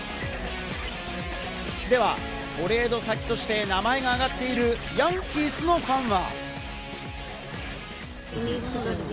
ではトレード先として名前が挙がっているヤンキースのファンは。